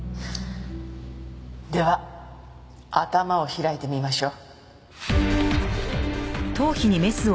では頭を開いてみましょう。